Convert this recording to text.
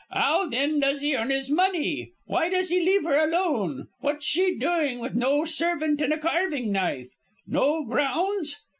'Ow then does he earn his money? Why does he leave her alone? What's she doing with no servant and a carving knife? No grounds!"